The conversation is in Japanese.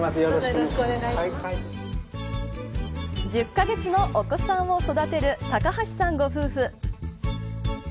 １０カ月のお子さんを育てる高橋さんご夫婦。